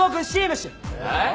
えっ！？